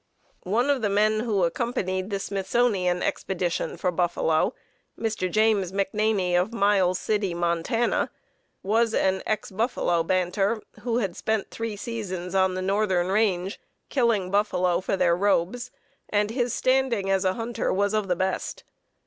One of the men who accompanied the Smithsonian Expedition for Buffalo, Mr. James McNaney, of Miles City, Montana, was an ex buffalo banter, who had spent three seasons on the northern range, killing buffalo for their robes, and his standing as a hunter was of the best.